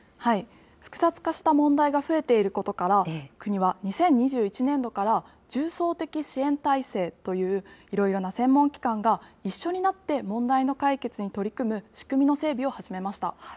複雑化した問題が増えていることから、国は２０２１年度から重層的支援体制といういろいろな専門機関が一緒になって問題の解決に取り組む仕組みの整備を始めました。